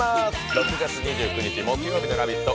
６月２９日木曜日の「ラヴィット！」